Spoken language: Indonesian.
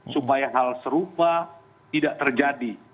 supaya hal serupa tidak terjadi